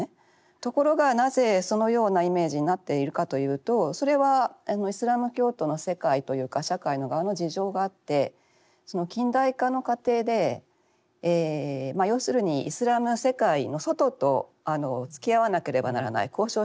ところがなぜそのようなイメージになっているかというとそれはイスラム教徒の世界というか社会の側の事情があってその近代化の過程でまあ要するにイスラムの世界の外とつきあわなければならない交渉しなければならない。